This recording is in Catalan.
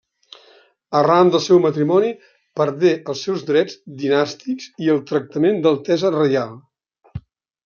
Arran del seu matrimoni perdé els seus drets dinàstics i el tractament d'altesa reial.